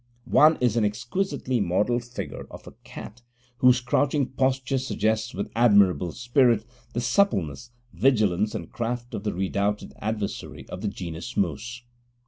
One is an exquisitely modelled figure of a cat, whose crouching posture suggests with admirable spirit the suppleness, vigilance, and craft of the redoubted adversary of the genus Mus.